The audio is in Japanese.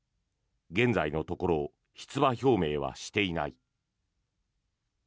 現在のところ出馬表明はしていない。